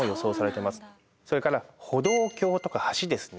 それから歩道橋とか橋ですね。